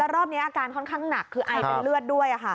รอบนี้อาการค่อนข้างหนักคือไอเป็นเลือดด้วย